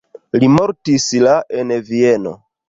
Li mortis la en Vieno.